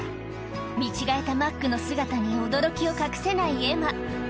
見違えたマックの姿に驚きを隠せないエマ。